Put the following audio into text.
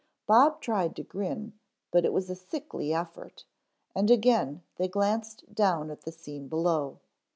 Bob tried to grin but it was a sickly effort, and again they glanced down at the scene below.